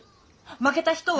負けた人は。